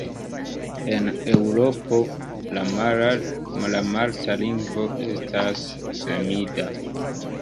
En Eŭropo, la malta lingvo estas semida.